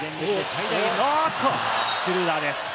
シュルーダーです。